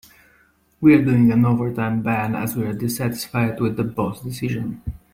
We are doing an overtime ban as we are dissatisfied with the boss' decisions.